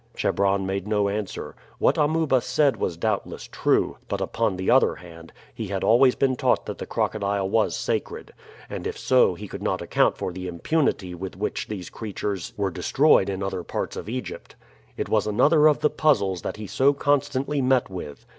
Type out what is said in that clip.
Chebron made no answer. What Amuba said was doubtless true; but upon the other hand, he had always been taught that the crocodile was sacred, and if so he could not account for the impunity with which these creatures were destroyed in other parts of Egypt. It was another of the puzzles that he so constantly met with.